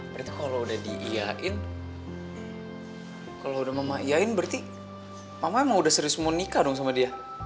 berarti kalo udah diiyain kalo udah mama iya in berarti mama emang udah serius mau nikah dong sama dia